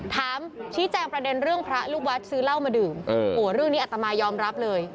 ถามชี้แจงประเด็นเรื่องพระลูกวัดซื้อเหล้ามาดื่มโอ้โหเรื่องนี้อัตมายอมรับเลย